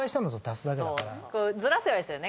ずらせばいいですよね。